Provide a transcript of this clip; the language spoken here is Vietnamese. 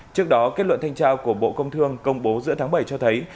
trước đó kết luận thanh tra của bộ công thương công bố giữa tháng bảy cho thấy